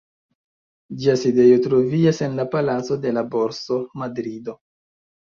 Ĝia sidejo troviĝas en la Palaco de la Borso, Madrido.